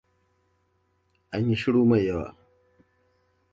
An yi shiru mai yawa.